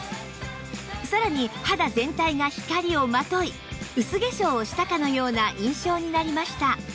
さらに肌全体が光をまとい薄化粧をしたかのような印象になりました